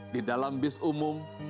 di dalam bis umum